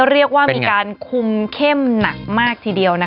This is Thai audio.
เรียกว่ามีการคุมเข้มหนักมากทีเดียว